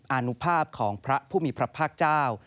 อนุภาพของพระผู้มีพระภาคเจ้า